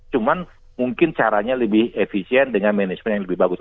cuman mungkin caranya lebih efisien dengan manajemen yang lebih bagus